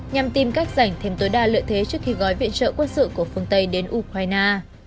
nhằm tìm cách giảm thêm tối đa lợi thế trước khi gói viện trợ quân sự của phương tây đến ukraine